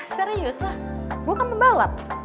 serius lah gue akan pembalap